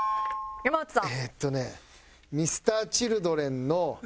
山内さん。